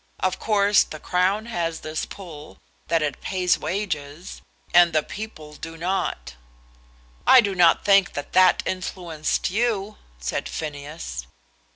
Of course the Crown has this pull, that it pays wages, and the people do not." "I do not think that that influenced you," said Phineas.